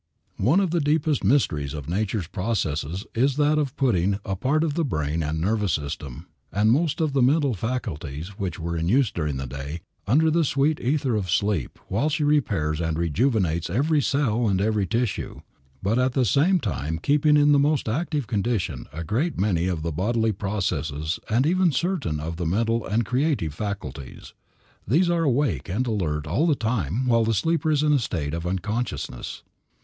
One of the deepest mysteries of Nature's processes is that of putting a part of the brain and nervous system, and most of the mental faculties which were in use during the day, under the sweet ether of sleep while she repairs and rejuvenates every cell and every tissue, but at the same time keeping in the most active condition a great many of the bodily processes and even certain of the mental and creative faculties. These are awake and alert all the time while the sleeper is in a state of unconsciousness.